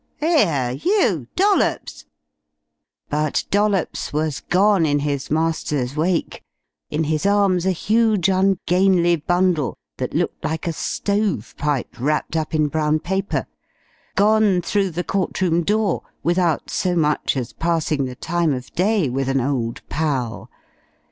'Ere, you, Dollops " But Dollops was gone in his master's wake, in his arms a huge, ungainly bundle that looked like a stove pipe wrapped up in brown paper, gone through the court room door, without so much as passing the time of day with an old pal.